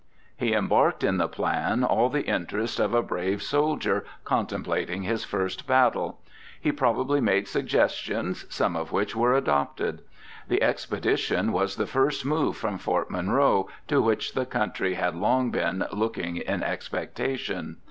He embarked in the plan all the interest of a brave soldier contemplating his first battle. He probably made suggestions some of which were adopted. The expedition was the first move from Fort Monroe, to which the country had been long looking in expectation.